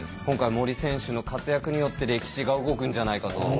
今回森選手の活躍によって歴史が動くんじゃないかと。